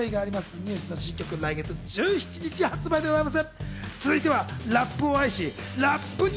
ＮＥＷＳの新曲は来月１７日発売でございます。